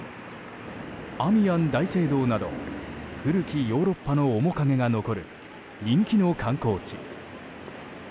アミアン大聖堂など古きヨーロッパの面影が残る人気の観光地。